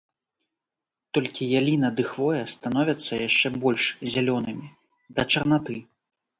Толькі яліна ды хвоя становяцца яшчэ больш зялёнымі, да чарнаты.